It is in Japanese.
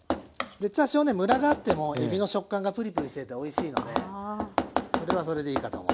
多少ねむらがあってもえびの食感がプリプリしてておいしいのでそれはそれでいいかと思います。